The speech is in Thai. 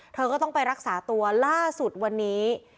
เธอก็ต้องไปรักษาตัวล่าสุดวันนี้